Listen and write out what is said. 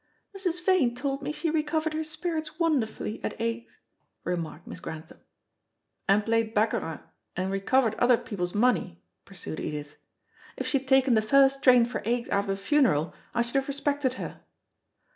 "Mrs. Vane told me she recovered her spirits wonderfully at Aix," remarked Miss Grantham. "And played baccarat, and recovered other people's money," pursued Edith. "If she'd taken the first train for Aix after the funeral, I should have respected her."